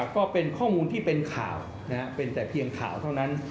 ก็เป็นข้อมูลที่เป็นข่าวเป็นแต่เพียงข่าวเท่านั้น